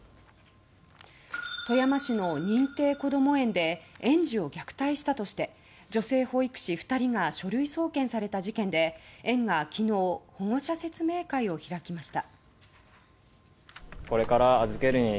富山市の認定こども園で園児を虐待したとして女性保育士２人が書類送検された事件で園が昨日保護者説明会を開きました。